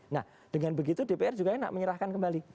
nah dengan begitu dpr juga enak menyerahkan kembali